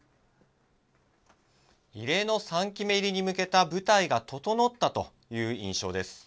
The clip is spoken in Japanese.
異例の３期目入りに向けた舞台が整ったという印象です。